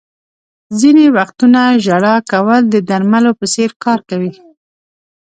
• ځینې وختونه ژړا کول د درملو په څېر کار کوي.